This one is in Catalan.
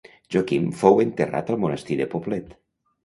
Joaquim fou enterrat al monestir de Poblet.